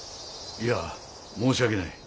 いや申し訳ない。